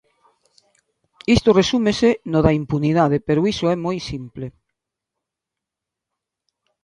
Isto resúmese no da impunidade pero iso é moi simple.